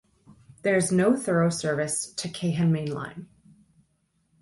There is no through service to Keihan Main Line.